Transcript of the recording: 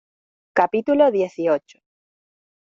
capítulo dieciocho.